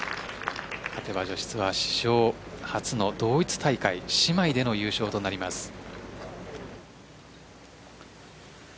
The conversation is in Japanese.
勝てば女子ツアー史上初の同一大会姉妹での優勝となります。